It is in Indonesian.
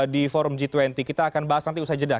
di forum g dua puluh kita akan bahas nanti usai jeda